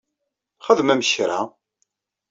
Xedmemt kra!